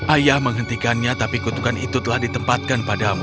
ayah menghentikannya tapi kutukan itu telah ditempatkan padamu